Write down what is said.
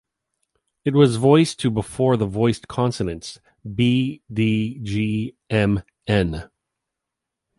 It was voiced to before the voiced consonants: "b, d, g, m, n".